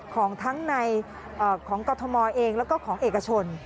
ของทั้งในกฎธมอลเองแล้วก็ของเอกชน